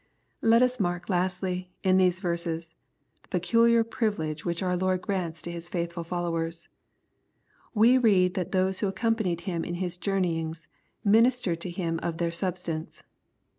Let us mark lastly, in these verses, the peculiar privi lege which our Lord grants to His faith/ui followers. We read that those who accompanied Him in His journey ings, "ministered to him of their substance."